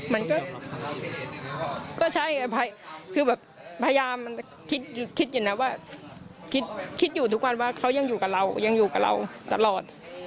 มันก็ใช่พยายามคิดอยู่ทุกวันว่าเขายังอยู่กับเรายังอยู่กับเราตลอด